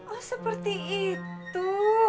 oh seperti itu